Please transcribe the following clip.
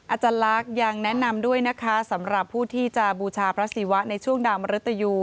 อาจารย์ลักษณ์ยังแนะนำด้วยนะคะสำหรับผู้ที่จะบูชาพระศิวะในช่วงดาวมริตยู